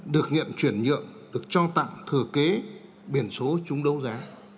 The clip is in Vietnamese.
được nhận chuyển nhượng được cho tặng thừa kế biển số chúng đấu giá